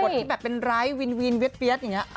บทที่แบบเป็นไร้วีนเบี๊ยดอย่างเงี้ย